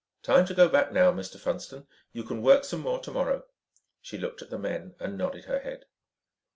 "Time to go back now, Mr. Funston. You can work some more tomorrow." She looked at the men and nodded her head.